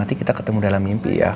nanti kita ketemu dalam mimpi ya